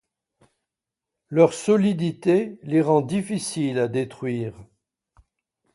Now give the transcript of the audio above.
Leur solidité les rend difficiles à détruire.